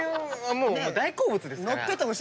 もう大好物ですから。